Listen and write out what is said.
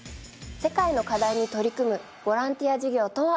世界の課題に取り組むボランティア事業とは？